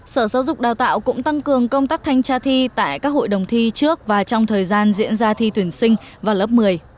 sở giáo dục đào tạo cũng tăng cường công tác thanh tra thi tại các hội đồng thi trước và trong thời gian diễn ra thi tuyển sinh vào lớp một mươi